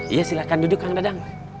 iya silahkan duduk kang dadang